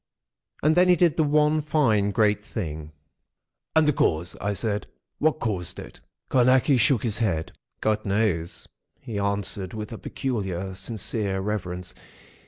And then he did the one fine, great thing!" "And the cause?" I said. "What caused it?" Carnacki shook his head. "God knows," he answered, with a peculiar sincere reverence.